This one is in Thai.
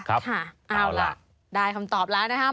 ครับเอาละได้คำตอบแล้วนะฮะ